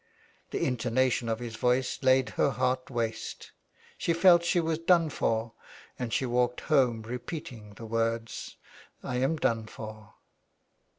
The intonation of his voice laid her heart waste ; she felt she was done for, and she walked home repeating the words, " I am done for."